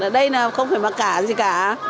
đây là không phải mặc cả gì cả